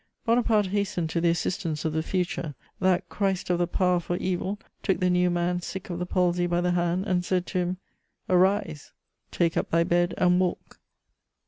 Bonaparte hastened to the assistance of the future; that Christ of the power for evil took the new man sick of the palsy by the hand, and said to him: "Arise, take up thy bed, and walk."